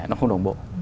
nó không đồng bộ